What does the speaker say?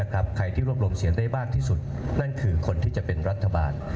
ใครที่รวบรวมเสียงได้มากที่สุดนั่นคือคนที่จะเป็นรัฐบาล